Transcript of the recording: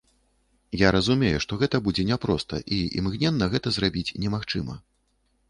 Я разумею, што гэта будзе няпроста і імгненна гэта зрабіць немагчыма.